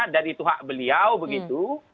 dari itu hak beliau begitu